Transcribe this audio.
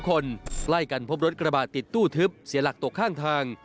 คนใกล้กันพบรถกระบาดติดตู้ทึบเสียหลักตกข้างทาง